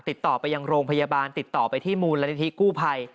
ติดต่อไปยังโรงพยาบาลติดต่อไปที่มูลนิธิกู้ภัย